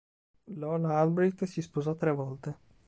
Lola Albright si sposò tre volte.